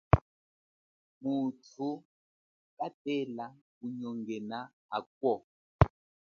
Mutu katela kunyongena ako.